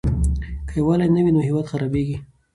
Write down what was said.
که يووالی نه وي نو هېواد خرابيږي.